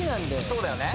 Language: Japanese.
そうだよね